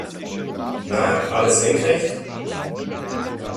Na, alles senkrecht?